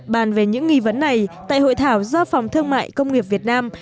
bàn về những nghi vấn này tại hội thảo do phòng thương mại công nghiệp việt nam